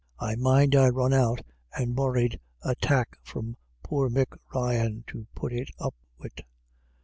I mind I run out and borried a tack from poor Mick Ryan to put it up wid.